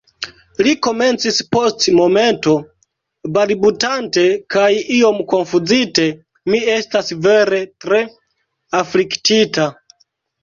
Li komencis post momento, balbutante kaj iom konfuzite, -- mi estas vere tre afliktita.